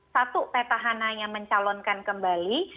satu petahananya mencalonkan kembali